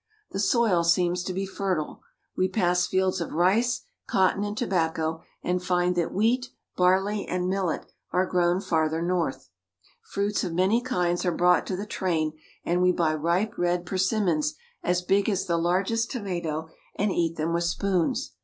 The soil seems to be fertile. We pass fields of rice, cotton, and tobacco, and find that wheat, barley, and millet are grown farther north. Fruits of many kinds are brought to the train, and we buy ripe red persimmons as big as the largest tomato and eat them with spoons.